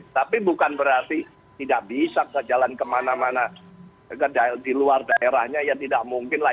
tapi bukan berarti tidak bisa jalan kemana mana di luar daerahnya ya tidak mungkin lah